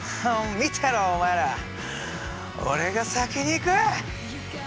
見てろお前ら。俺が先に行く！